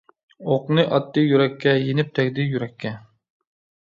ئوقنى ئاتتى يۈرەككە، يېنىپ تەگدى يۈرەككە.